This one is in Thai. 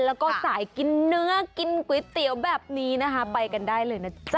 แล้วก็สายกินเนื้อกินก๋วยเตี๋ยวแบบนี้นะคะไปกันได้เลยนะจ๊ะ